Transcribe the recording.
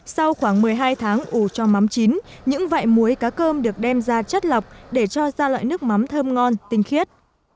sau khoảng một mươi hai tháng ủ cho mắm chín những vải muối cá cơm được đem ra chất lọc để cho ra loại nước mắm thơm ngon tinh khiết